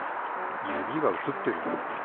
指が映ってる。